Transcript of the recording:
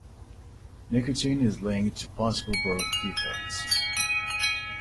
Nicotine is linked to possible birth defects.